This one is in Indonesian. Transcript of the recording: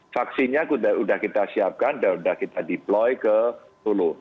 vaksinnya sudah kita siapkan dan sudah kita deploy ke solo